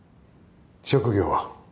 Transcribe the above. ・職業は？